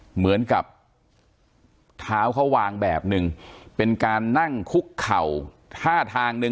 เหมือนกับเท้าเขาวางแบบนึงเป็นการนั่งคุกเข่าท่าทางหนึ่ง